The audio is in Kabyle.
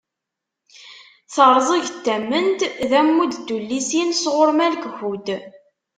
"Terẓeg n tament" d ammud n tullisin sɣur Malek Ḥud.